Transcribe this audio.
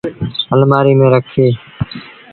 اَلمآريٚ ميݩ رکي۔